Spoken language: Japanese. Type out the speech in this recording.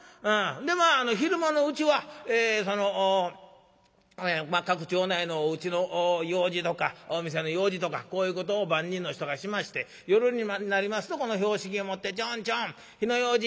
で昼間のうちはその各町内のおうちの用事とかお店の用事とかこういうことを番人の人がしまして夜になりますとこの拍子木を持ってチョンチョン火の用心